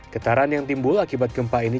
getaran yang timbul akibat gempa ini